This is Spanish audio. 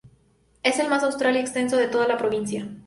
Es el más austral y extenso de toda la provincia.